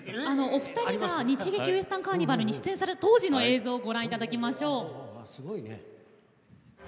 お二人が日劇ウエスタンカーニバルに出演された当時の映像をご覧いただきましょう。